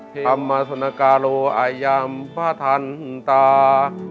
ธรรมสนกาโลอายามพระทันตา